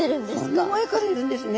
そんな前からいるんですね。